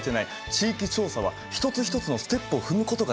地域調査は一つ一つのステップを踏むことが大事なんだよ。